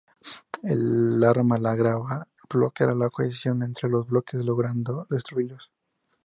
El arma lograba bloquear la cohesión entre los bloques, logrando destruirlos.